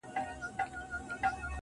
• زه د جنتونو و اروا ته مخامخ يمه_